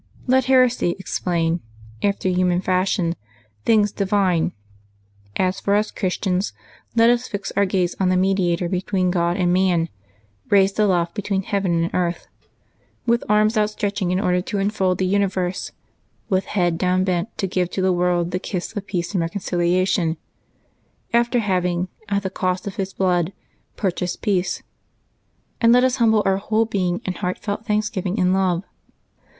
Let heresy explain, after human fashion, things divine; as for us Christians, let us fix our gaze on the Mediator between God and man, raised aloft between heaven and earth, with arms outstretching in order to enfold the universe, with head downbent to give to the world the kiss of peace and reconciliation, after having, at the cost LIVES OF THE SAINTS 13 of His blood, purchased peace ; and let us humble our whole being in heartfelt thanksgiving and love.